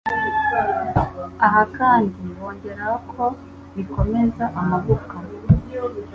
Aha kandi bongeraho ko bikomeza amagufwa